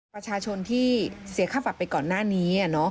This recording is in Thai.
ประชาชนที่เสียค่าปรับไปก่อนหน้านี้